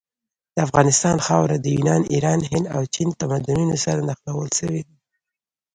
د افغانستان خاوره د یونان، ایران، هند او چین تمدنونو سره نښلول سوي ده.